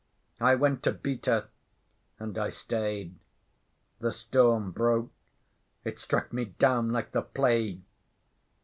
I went to beat her, and I stayed. The storm broke—it struck me down like the plague.